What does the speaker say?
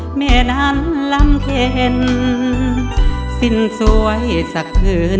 เดี๋ยวพวกไม่เห็นคุณมากครับสินะครับ